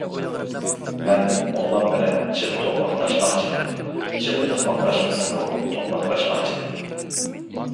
مەن موللام بىلەن چىغ توقماقداشماقچىدىم، چىغ توقماقداشمىسىمۇ توقماقداشماقچىدىم.